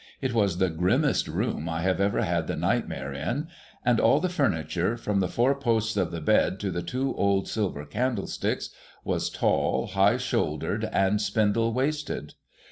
It was the grimmest room I have ever had the nightmare in ; and all the furniture, from the four posts of the bed to the two old silver candlesticks, was tall, high shouldered, and spindle waisted.